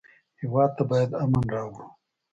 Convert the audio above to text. هېواد ته باید امن راوړو